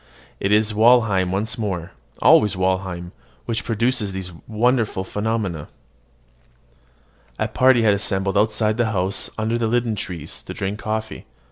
It is Walheim once more always Walheim which produces these wonderful phenomena. A party had assembled outside the house under the linden trees, to drink coffee.